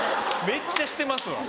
めっちゃしてますわ。